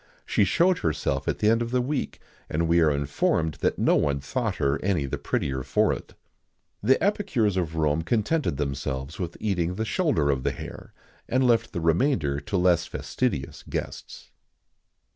She showed herself at the end of the week, and we are informed that no one thought her any the prettier for it.[XIX 99] The epicures of Rome contented themselves with eating the shoulder of the hare, and left the remainder to less fastidious guests.